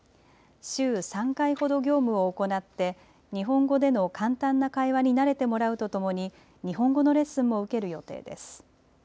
週３回ほど業務を行って日本語での簡単な会話に慣れてもらうとともに日本語のレッスンも受ける予定です。